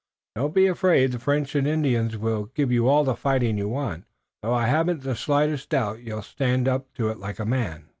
Don't be afraid the French and Indians won't give you all the fighting you want, though I haven't the slightest doubt you'll stand up to it like a man."